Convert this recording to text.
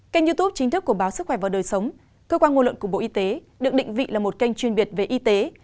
kênh youtube chính thức của báo sức khỏe và đời sống cơ quan ngôn luận của bộ y tế được định vị là một kênh chuyên biệt về y tế